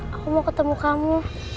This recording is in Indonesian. aku mau ketemu kamu